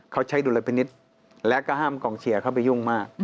เขาใช้ดุลพินิษฐ์และก็ห้ามกองเชียร์เข้าไปยุ่งมาก